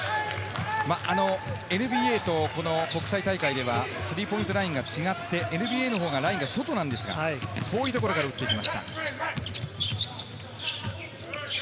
ＮＢＡと国際大会ではスリーポイントラインが違ってＮＢＡのほうがラインが外なんですが、遠いところから打ってきました。